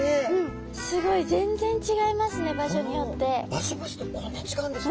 場所場所でこんなに違うんですね。